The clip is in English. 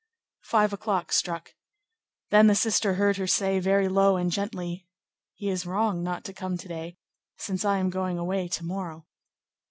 Five o'clock struck. Then the sister heard her say, very low and gently, "He is wrong not to come to day, since I am going away to morrow."